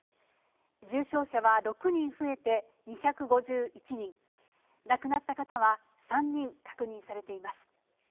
重症者は６人増えて２５１人、亡くなった方は３人確認されています。